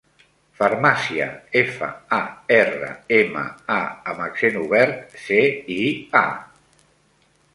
Farmàcia: efa, a, erra, ema, a amb accent obert, ce, i, a.